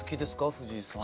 藤井さん。